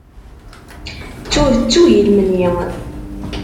Ttuh, ttuh i lemni.